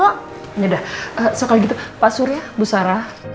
yaudah soal itu pak surya bu sarah